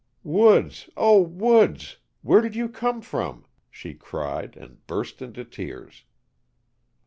"Woods! Oh, Woods! Where did you come from?" she cried and burst into tears.